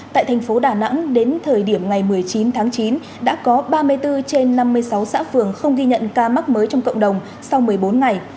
tại thành phố đà nẵng đến thời điểm ngày một mươi chín tháng chín đã có ba mươi bốn trên năm mươi sáu xã phường không ghi nhận ca mắc mới trong cộng đồng sau một mươi bốn ngày